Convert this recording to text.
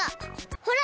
ほら！